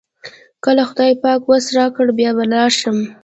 کله خدای پاک وس راکړ بیا به لاړ شم.